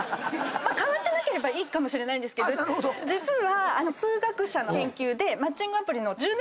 変わってなければいいかもしれないんですけど実は数学者の研究でマッチングアプリの１０年間の調査をしましたと。